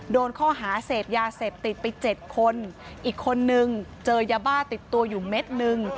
โดนข้อหาเสพยาเสพติดไปเจ็ดคนอีกคนนึงเจอยาบ้าติดตัวอยู่เม็ดนึง